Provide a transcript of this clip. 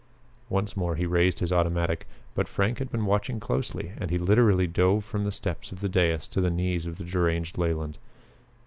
Once more he raised his automatic, but Frank had been watching closely and he literally dove from the steps of the dais to the knees of the deranged Leland.